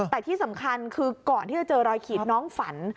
แต่ที่สำคัญคือก่อนที่จะเจอรอยขีดน้องฝัน